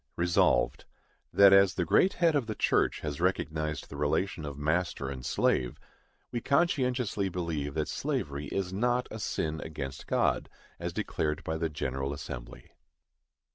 Resolved, That, as the Great Head of the church has recognized the relation of master and slave, we conscientiously believe that slavery is not a sin against God, as declared by the General Assembly.